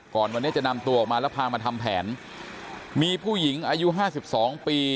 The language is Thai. ก่อนวันนี้จะนำตัวออกมาแล้วพามาทำแผนมีผู้หญิงอายุห้าสิบสองปี